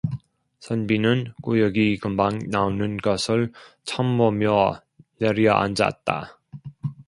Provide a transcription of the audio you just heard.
선비는 구역이 금방 나오는것을 참으며 내려앉았다.